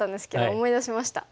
思い出しました？